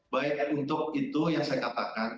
baik untuk itu yang saya katakan